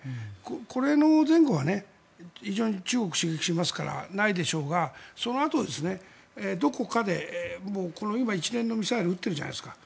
これの前後は非常に中国を刺激しますからないでしょうけどそのあと、どこかで今一連のミサイルを撃ってるじゃないですか。